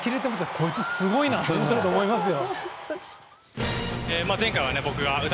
こいつ、すごいな！って思ってると思いますよ。